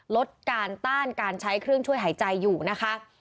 ลดการต้านการใช้เครื่องช่วยหายใจอยู่นะคะ